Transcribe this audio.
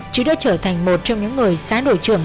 chứ đã trở thành một trong những người xá đội trưởng